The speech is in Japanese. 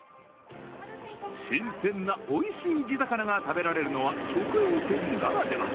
新鮮なおいしい地魚が食べられるのは直営店ならでは。